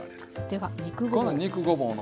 では肉ごぼう。